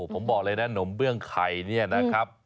ผมบอกเลยนะนมเบื้องไข่เนี่ยนะครับ